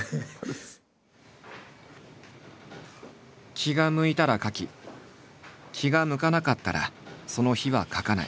気が向いたら描き気が向かなかったらその日は描かない。